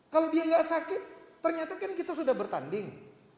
kalau dia nggak sakit ternyata kan kita sudah bertanding